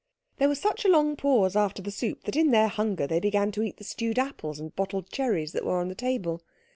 There was such a long pause after the soup that in their hunger they began to eat the stewed apples and bottled cherries that were on the table.